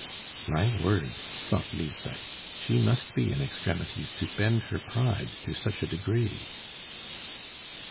"My word!" thought Lisbeth, "she must be in extremities to bend her pride to such a degree!"